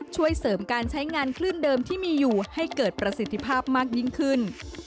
ช่วยเสริมการใช้งานคลื่นเดิมที่มีอยู่ให้เกิดประสิทธิภาพมากยิ่งขึ้น